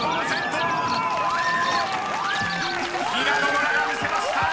［平野ノラが魅せました！］